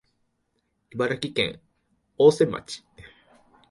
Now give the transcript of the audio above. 茨城県大洗町